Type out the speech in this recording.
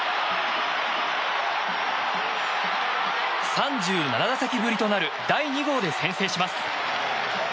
３７打席ぶりとなる第２号で先制します。